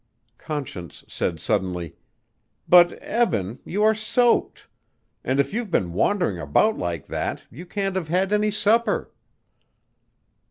Conscience said suddenly: "But, Eben, you are soaked and if you've been wandering about like that, you can't have had any supper."